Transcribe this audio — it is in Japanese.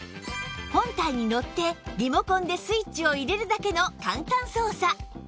本体に乗ってリモコンでスイッチを入れるだけの簡単操作